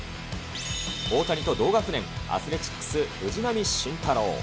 大谷と同学年、アスレチックス、藤浪晋太郎。